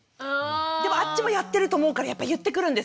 でもあっちもやってると思うからやっぱ言ってくるんですよ！